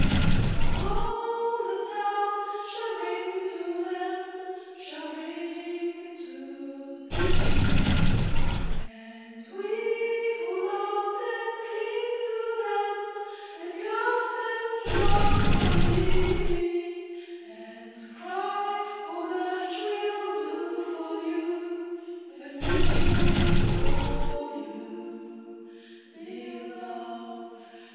II Now all the town shall ring to them, Shall ring to them, And we who love them cling to them And clasp them joyfully; And cry, "O much we'll do for you Anew for you, Dear Loves!